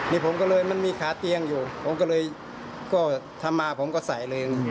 นี่ผมก็เลยมันมีขาเตียงอยู่ผมก็เลยก็ทำมาผมก็ใส่เลย